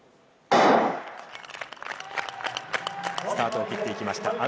スタートを切っていきました。